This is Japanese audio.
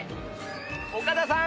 岡田さん。